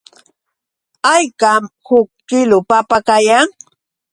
¿Haykam huk kiilu papa kayan?